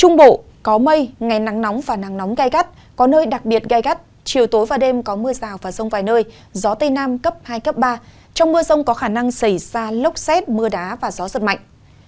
gió tây nam cấp hai cấp ba trong mưa rông có khả năng xảy ra lốc xét mưa đá và gió giật mạnh